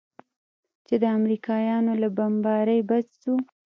چې د امريکايانو له بمبارۍ بچ سو.